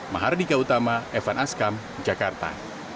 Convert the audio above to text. mahardika utama evan askam jakarta